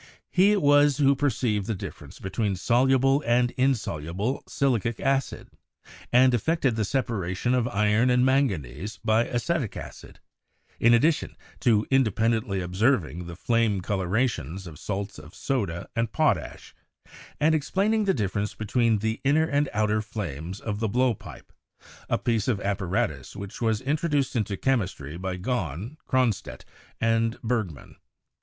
He it was who perceived the difference be tween soluble and insoluble silicic acid, and effected the separation of iron and manganese by acetic acid, in addi tion to independently observing the flame colorations of salts of soda and potash, and explaining the difference be tween the inner and outer flames of the blowpipe, a piece of apparatus which was introduced into chemistry by Gahn, Cronstedt and Bergman.